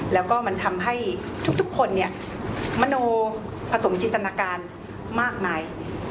แล้วก็มันทำให้ทุกคนเนี่ยมโนผสมจินตนาการมากมาย